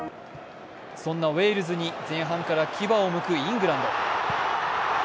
そんなウェールズに前半から牙をむくイングランド。